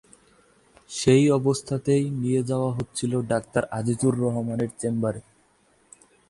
সেই অবস্থাতেই তাকে নিয়ে যাওয়া হচ্ছিল ডাক্তার আজিজুর রহমানের চেম্বারে।